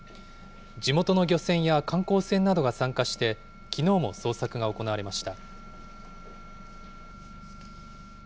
地元の漁船や観光船などが参加して、きのうも捜索が行われました。